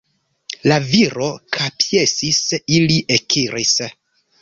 La viro kapjesis, ili ekiris.